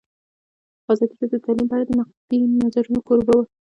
ازادي راډیو د تعلیم په اړه د نقدي نظرونو کوربه وه.